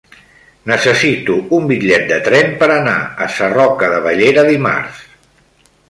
Necessito un bitllet de tren per anar a Sarroca de Bellera dimarts.